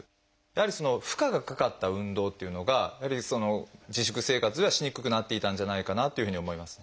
やはり負荷がかかった運動っていうのが自粛生活ではしにくくなっていたんじゃないかなっていうふうに思います。